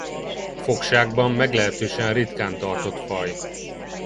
Fogságban meglehetősen ritkán tartott faj.